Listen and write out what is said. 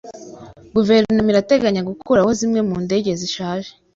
Guverinoma irateganya gukuraho zimwe mu ndege zishaje.